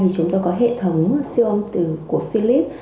thì chúng tôi có hệ thống siêu âm của philips